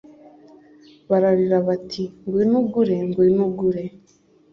Bararira bati Ngwino ugure ngwino ugure